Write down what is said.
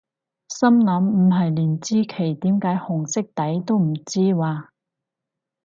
心諗唔係連支旗點解紅色底都唔知咓？